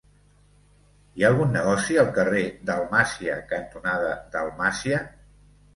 Hi ha algun negoci al carrer Dalmàcia cantonada Dalmàcia?